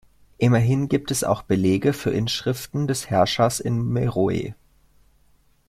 Immerhin gibt es auch Belege für Inschriften des Herrschers in Meroe.